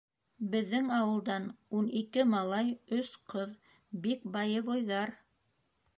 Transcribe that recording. Беҙҙең ауылдан ун ике малай, өс ҡыҙ — бик боевойҙар.